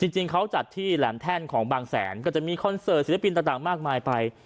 จริงเขาจัดที่แหลมแท่นของบางแสนก็จะมีคอนเสิร์ตศิลปินต่างมากมายไป